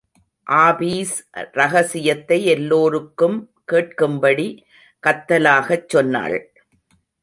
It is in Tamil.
ஆபீஸ் ரகசியத்தை எல்லோருக்கும் கேட்கும்படி கத்தலாகச் சொன்னாள்.